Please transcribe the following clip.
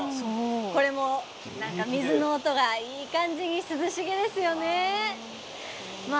これも水の音がいい感じに涼しげですよね。